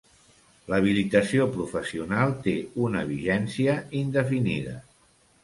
L'habilitació professional té una vigència indefinida.